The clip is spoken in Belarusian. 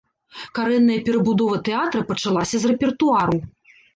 Карэнная перабудова тэатра пачалася з рэпертуару.